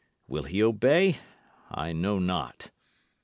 Will he obey? I know not."